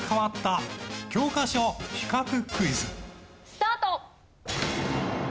スタート！